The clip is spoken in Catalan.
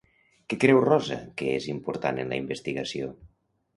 Què creu Rosa que és important en la investigació?